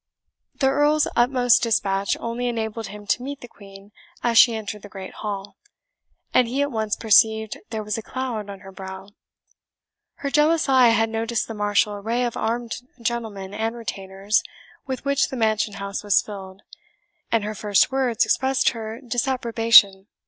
The Earl's utmost dispatch only enabled him to meet the Queen as she entered the great hall, and he at once perceived there was a cloud on her brow. Her jealous eye had noticed the martial array of armed gentlemen and retainers with which the mansion house was filled, and her first words expressed her disapprobation.